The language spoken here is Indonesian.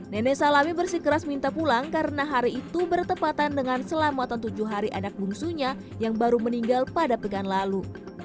nenek salami bersikeras minta pulang karena hari itu bertepatan dengan selamatan tujuh hari anak bungsunya yang baru meninggal pada pekan lalu